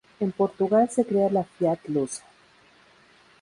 En Portugal se crea la Fiat lusa.